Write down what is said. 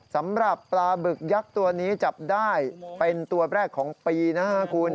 สำหรับปลาบึกยักษ์ตัวนี้จับได้เป็นตัวแรกของปีนะฮะคุณ